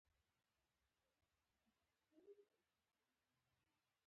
په سر کې یې د بغداد د نیولو هوا پیدا شوه.